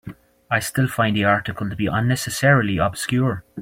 I still find the article to be unnecessarily obscure.